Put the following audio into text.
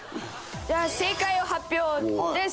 「じゃあ正解を発表です」